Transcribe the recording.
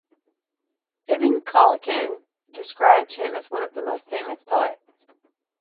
Ibn Khallikan described him as one of the most famous poets.